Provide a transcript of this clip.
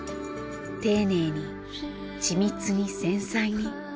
丁寧に緻密に繊細に。